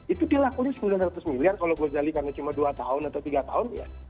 itu dilakunya sembilan ratus miliar kalau gozali karena cuma dua tahun atau tiga tahun ya